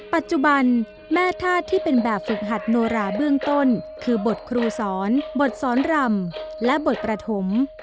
ปัจจุบันแม่ธาตุที่เป็นแบบฝึกหัดโนราเบื้องต้นคือบทครูสอนบทสอนรำและบทประถม